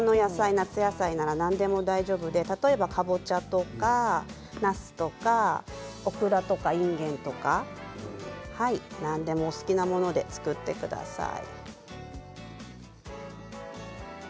夏野菜なら何でも大丈夫で例えば、かぼちゃとか、なすとかオクラとか、いんげんとか何でもお好きなもので作ってください。